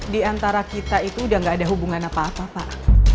di antara kita itu udah gak ada hubungan apa apa pak